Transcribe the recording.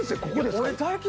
ここですか？